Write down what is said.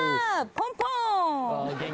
ポンポン！